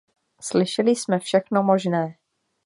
Slyšeli jsme všechno možné.